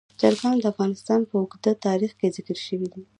چرګان د افغانستان په اوږده تاریخ کې ذکر شوي دي.